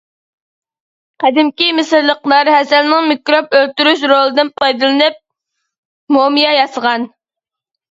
قەدىمكى مىسىرلىقلار ھەسەلنىڭ مىكروب ئۆلتۈرۈش رولىدىن پايدىلىنىپ، مۇمىيا ياسىغان.